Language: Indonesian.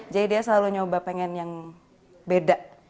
jadi dia selalu nyoba pengen yang beda